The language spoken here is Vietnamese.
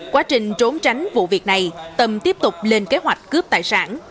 quá trình trốn tránh vụ việc này tâm tiếp tục lên kế hoạch cướp tài sản